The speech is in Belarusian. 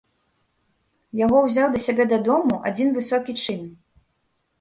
Яго ўзяў да сябе дадому адзін высокі чын.